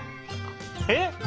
えっ？